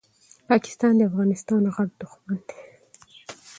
پاکستان دي افغانستان غټ دښمن ده